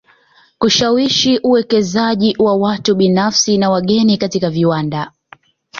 Kushawishi uwekezaji wa watu binafsi na wageni katika viwanda